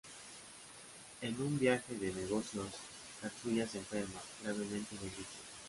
En un viaje de negocios, Katsuya se enferma gravemente de gripe.